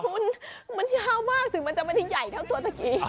คุณมันยาวมากถึงมันจะไม่ได้ใหญ่เท่าตัวตะกี้